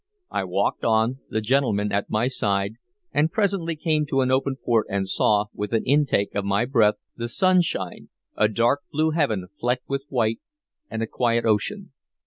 I walked on, the gentleman at my side, and presently came to an open port, and saw, with an intake of my breath, the sunshine, a dark blue heaven flecked with white, and a quiet ocean.